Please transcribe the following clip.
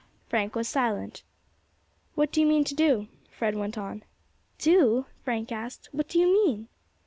Frank was silent. "What do you mean to do?" Fred went on. "Do?" Frank asked, "what do you mean?"